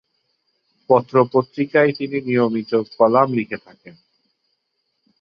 পত্র-পত্রিকায় তিনি নিয়মিত কলাম লিখে থাকেন।